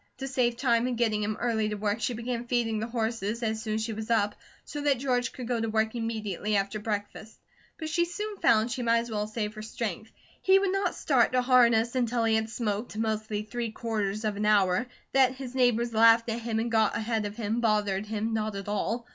To save time in getting him early to work she began feeding the horses as soon as she was up, so that George could go to work immediately after breakfast; but she soon found she might as well save her strength. He would not start to harness until he had smoked, mostly three quarters of an hour. That his neighbours laughed at him and got ahead of him bothered him not at all.